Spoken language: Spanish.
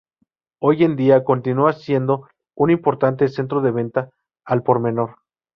Hoy en día, continúa siendo un importante centro de venta al por menor.